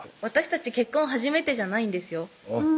私たち結婚初めてじゃないんですよ